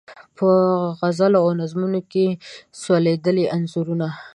په غزلو او نظمو کې سولیدلي انځورونه